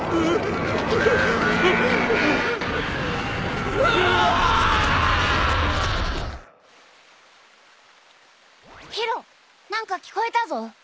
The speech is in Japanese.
宙何か聞こえたぞ。